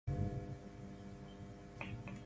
No audio.